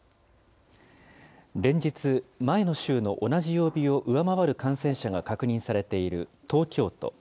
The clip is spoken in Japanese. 連日、前の週の同じ曜日を上回る感染者が確認されている東京都。